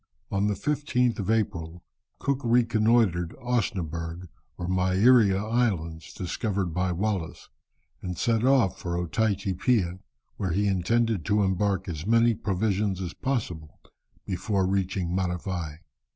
On the 15th of April, Cook reconnoitred Osnaburgh or Mairea Islands, discovered by Wallis, and set off for Otaiti Piha, where he intended to embark as many provisions as possible before reaching Matavai.